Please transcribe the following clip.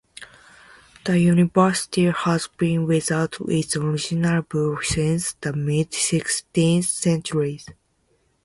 The University has been without its original Bull since the mid-sixteenth century.